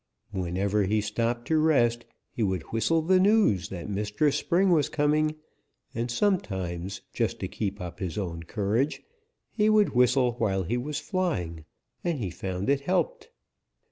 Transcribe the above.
Whenever he stopped to rest, he would whistle the news that Mistress Spring was coming, and sometimes, just to keep up his own courage, he would whistle while he was flying, and he found it helped.